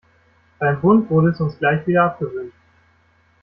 Beim Bund wurde es uns gleich wieder abgewöhnt.